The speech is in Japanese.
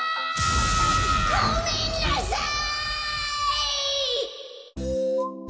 ・ごめんなさい！